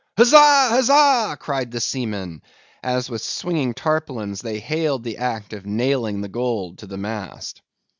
"Huzza! huzza!" cried the seamen, as with swinging tarpaulins they hailed the act of nailing the gold to the mast.